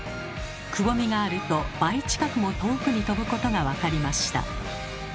くぼみがあると倍近くも遠くに飛ぶことが分かりました。